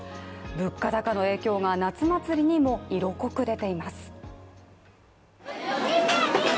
物価高の影響が夏祭りにも色濃く出ています。